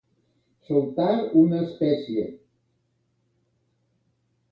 Soltar una espècie.